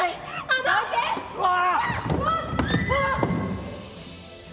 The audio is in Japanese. あっ！